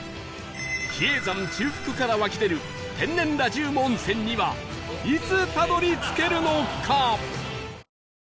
比叡山中腹から湧き出る天然ラジウム温泉にはいつたどり着けるのか？